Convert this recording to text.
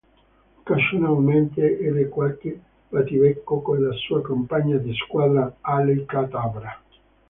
Occasionalmente ebbe qualche battibecco con la sua compagna di squadra, Alley-Kat-Abra.